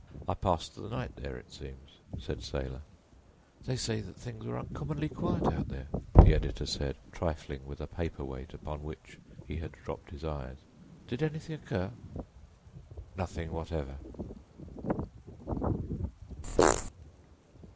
"I passed the night there—it seems," said Saylor. "They say that things were uncommonly quiet out there," the editor said, trifling with a paper weight upon which he had dropped his eyes, "did anything occur?" "Nothing whatever."